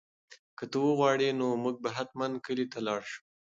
که ته وغواړې نو موږ به حتماً کلي ته لاړ شو.